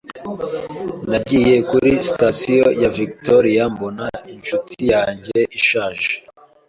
Nagiye kuri Sitasiyo ya Victoria, mbona inshuti yanjye ishaje.